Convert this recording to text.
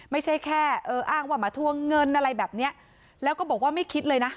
ไม่ใช่แค่เอออ้างว่ามาทวงเงินอะไรแบบเนี้ยแล้วก็บอกว่าไม่คิดเลยนะ